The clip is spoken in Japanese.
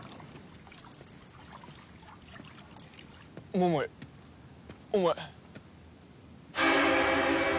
桃井お前。